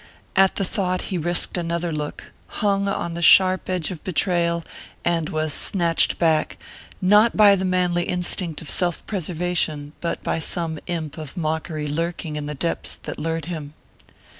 At the thought, he risked another look, hung on the sharp edge of betrayal, and was snatched back, not by the manly instinct of self preservation, but by some imp of mockery lurking in the depths that lured him.